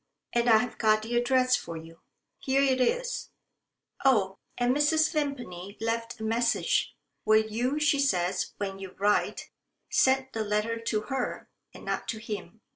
And I've got the address for you. Here it is. Oh! and Mrs. Vimpany left a message. Will you, she says, when you write, send the letter to her and not to him?